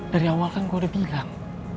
dari awal kan gue udah bilang